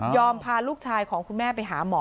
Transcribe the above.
พาลูกชายของคุณแม่ไปหาหมอ